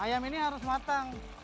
ayam ini harus matang